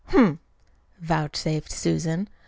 "Humph!" vouchsafed Susan.